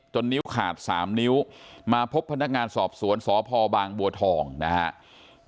นิ้วขาด๓นิ้วมาพบพนักงานสอบสวนสพบางบัวทองนะครับ